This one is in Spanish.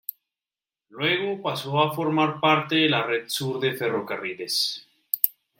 Luego pasó a formar parte de la Red Sur de Ferrocarriles.